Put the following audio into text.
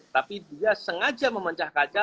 tapi dia sengaja memecah kaca